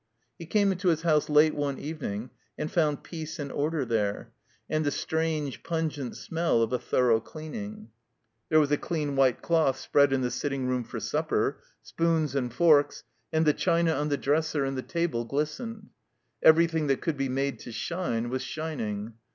He came into his house late one evening and fotmd peace and order there, and the strange, ptmgent smell of a thorough cleaning. There was a clean, white cloth spread in the sitting room for supper, spoons and forks, and the china on the dresser and THE COMBINED MAZE the table glistened; everything that could be made to shine was shining.